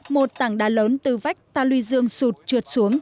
một tảng đá lớn từ vách tà luy dương sụt trượt xuống